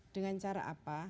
dengan cara apa